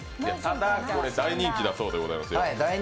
ただ、大人気だそうでございますよ。